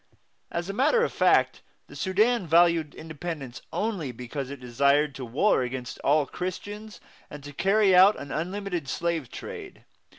As a matter of fact, the Sudan valued independence only because it desired to war against all Christians and to carry on an unlimited slave trade.